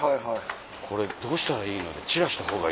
「これどうしたらいいの？」。